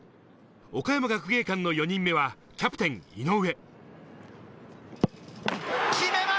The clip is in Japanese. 岡山学芸館の４人目はキャプテン・井上。